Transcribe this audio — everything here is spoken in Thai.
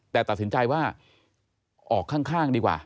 แต่ตัดสินใจว่าออกข้างดีกว่า